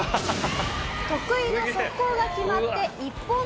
得意の速攻が決まって１本目を先取。